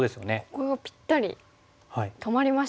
ここがぴったり止まりましたね。